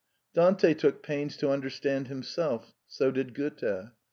Dante took pains to understand him self: so did Goethe.